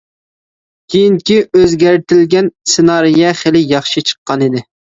كېيىنكى ئۆزگەرتىلگەن سېنارىيە خېلى ياخشى چىققانىدى.